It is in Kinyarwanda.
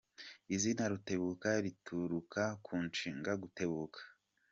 Izina Rutebuka rituruka ku nshinga gutebuka.